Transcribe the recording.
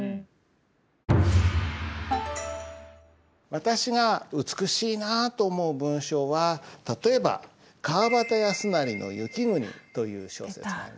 私が美しいなと思う文章は例えば川端康成の「雪国」という小説があります。